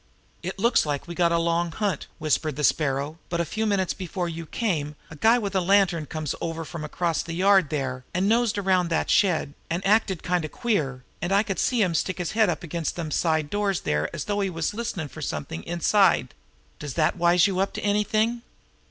"It looks like we got a long hunt," whispered the Sparrow; "but a few minutes before you came, a guy with a lantern comes from over across the yard there and nosed around that shed, and acted kind of queer, and I could see him stick his head up against them side doors there as though he was listenin' for something inside. Does that wise you up to anything?"